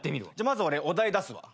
まず俺お題出すわ。